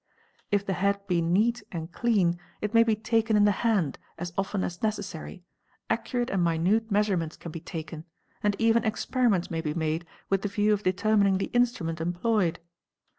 If the head be neat and clean, it may be taken in the hand as often as necessary, ac curate and minute measurements can be taken, and even experiments may be made with the view of determining the instrument employed.